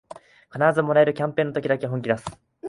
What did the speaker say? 必ずもらえるキャンペーンの時だけ本気だす